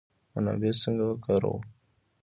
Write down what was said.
منابع څنګه وکاروو؟